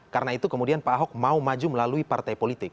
karena itu kemudian pak ahok mau maju melalui partai politik